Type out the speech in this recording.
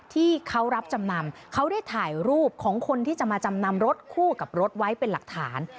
ที่เขารับจำนำเขาได้ถ่ายรูปของคนที่จะมาจำนำรถคู่กับรถไว้เป็นหลักฐาน